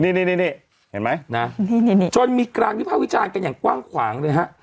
นี่เห็นไหมนะจนมีการวิภาควิจารณ์กันอย่างกว้างขวางเลยฮะ